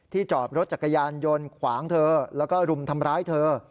จอบรถจักรยานยนต์ขวางเธอแล้วก็รุมทำร้ายเธอ